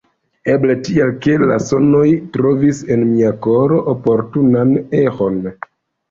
Eble tial, ke la sonoj trovis en mia koro oportunan eĥon.